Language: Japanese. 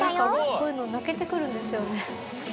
こういうのなけてくるんですよね。